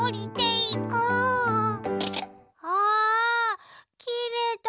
あきれた！